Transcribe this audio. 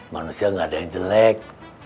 manusia gak ada yang jelek